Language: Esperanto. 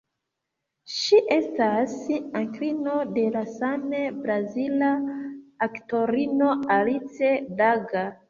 Ŝi estas onklino de la same brazila aktorino Alice Braga.